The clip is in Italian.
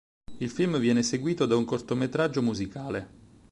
Il film viene seguito da un cortometraggio musicale.